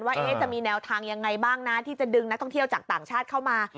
ว่าจะมีแนวทางยังไงบ้างนะที่จะดึงนักท่องเที่ยวจากต่างชาติเข้ามา